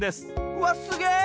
わっすげえ！